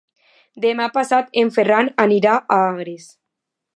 Demà passat en Ferran anirà a Agres.